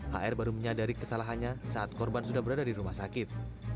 hr baru menyadari kesalahannya saat korban sudah berada di rumah sakit